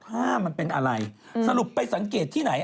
มันเป็นอะไรกินเรื่องเป็นอะไรอืมสรุปไปสังเกตที่ไหน